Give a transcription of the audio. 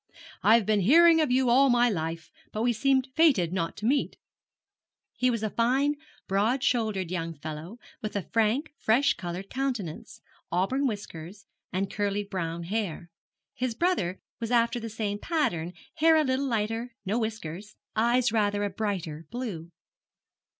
'I have been hearing of you all my life, but we seemed fated not to meet.' He was a fine, broad shouldered young fellow, with a frank, fresh coloured countenance, auburn whiskers, and curly brown hair. His brother was after the same pattern, hair a little lighter, no whiskers, eyes rather a brighter blue.